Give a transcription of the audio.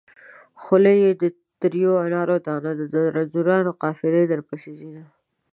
خوله دې د تريو انار دانه ده د رنځورانو قافلې درپسې ځينه